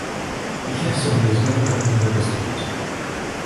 Я сам не знаю, как надо поступить.